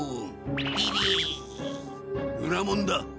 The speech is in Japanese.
裏門だ！